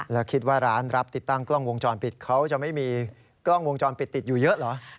แล้วคิดว่าร้านรับติดตั้งกล้องวงจรปิดเขาจะไม่มีกล้องวงจรปิดติดอยู่เยอะเหรอ